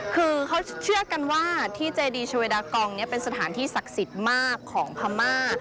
คือเขาเชื่อกันว่าที่เจดีชาเวดากองนี้เป็นสถานที่ศักดิ์สิทธิ์มากของพม่า